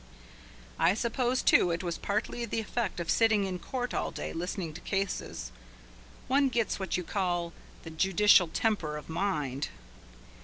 I suppose, too, it was partly the effect of sitting in court all day listening to cases. One gets what you might call the judicial temper of mind.